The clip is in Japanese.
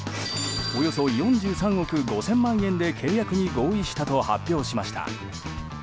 およそ４３億５０００万円で契約に合意したと発表しました。